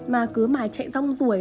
mà cứ mài chạy dòng ruồi